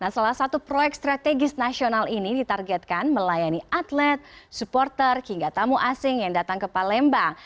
salah satu proyek strategis nasional ini ditargetkan melayani atlet supporter hingga tamu asing yang datang ke palembang